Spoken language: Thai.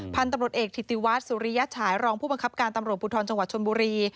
พันธุ์ตำรวจเอกถิติวัฒน์สุริยฉายรองผู้บังคับการตำรวจภูทรจังหวัดชนบุรี